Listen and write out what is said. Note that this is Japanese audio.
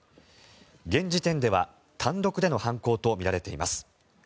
現時点では単独での犯行とみられています。